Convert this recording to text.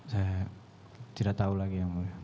saya tidak tahu lagi yang mulia